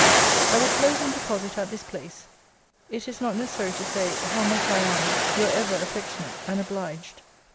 I will close and deposit at this place. It is not necessary to say, how much I am Your ever affectionate and obliged CL.